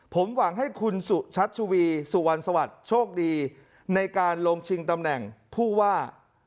ผมหวังให้คุณสุชัชวีสุวรรณสวัสดิ์โชคดีในการลงชิงตำแหน่งผู้ว่า